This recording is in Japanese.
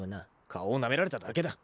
顔をなめられただけだ。